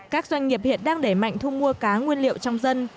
các doanh nghiệp hiện đang để mạnh thu mua cá nguyên liệu trong dân